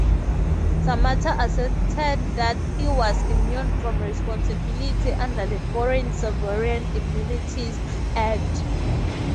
Samatar asserted that he was immune from responsibility under the Foreign Sovereign Immunities Act.